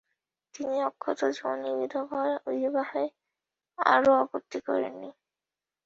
তিনি অক্ষতযোনি বিধবার বিবাহেও আর আপত্তি করেননি।